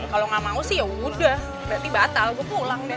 kalau nggak mau sih yaudah berarti batal gue pulang deh